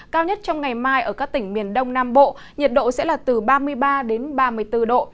cao nhất trong ngày mai ở các tỉnh miền đông nam bộ nhiệt độ sẽ là từ ba mươi ba đến ba mươi bốn độ